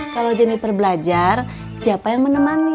kalau jenniper belajar siapa yang menemani